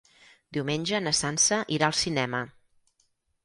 Diumenge na Sança irà al cinema.